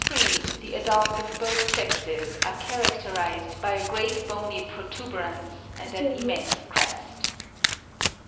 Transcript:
and in this breed the adults of both sexes are characterised by a great bony protuberance and an immense crest.